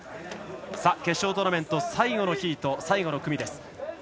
決勝トーナメント最後のヒート最後の組です。